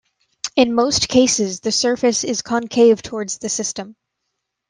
In most cases the surface is concave towards the system.